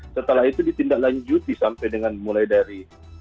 setelah itu ditindaklanjuti sampai dengan mulai dari